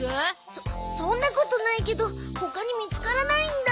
そそんなことないけど他に見つからないんだ。